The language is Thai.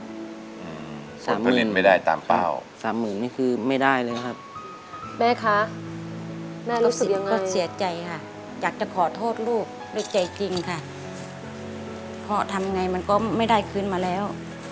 พ่อทำยังไงมันก็ไม่ได้คืนมาแล้ว